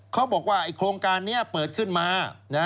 เขาบอกว่าโครงการนี้เปิดขึ้นมา